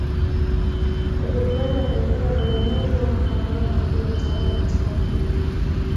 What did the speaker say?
Wajerumani wakaifanya Bagamoyo kuwa makao yao makuu ya utawala katika Afrika